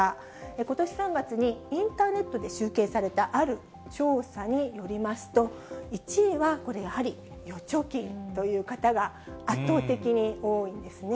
ことし３月にインターネットで集計されたある調査によりますと、１位はこれ、やはり預貯金という方が圧倒的に多いんですね。